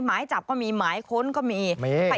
หมายจับก็มีหมายค้นก็มี